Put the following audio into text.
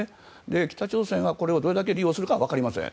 北朝鮮は、これをどれだけ利用するかは分かりません。